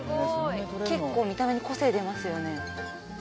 結構見た目に個性出ますよね